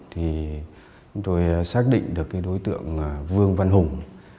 thì chúng tôi xác định được cái đối tượng vương văn hùng